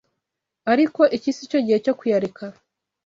ariko iki sicyo gihe cyo kuyareka